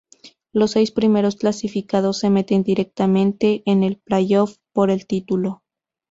Los seis primeros clasificados se meten directamente en el "playoff" por el título.